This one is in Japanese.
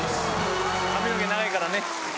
髪の毛長いからね。